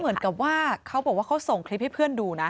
เหมือนกับว่าเขาบอกว่าเขาส่งคลิปให้เพื่อนดูนะ